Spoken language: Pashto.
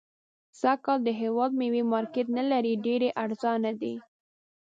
سږ کال د هيواد ميوي مارکيټ نلري .ډيري ارزانه دي